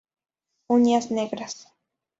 Uñas negras.